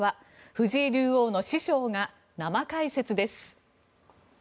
藤井竜王の師匠が生解説です。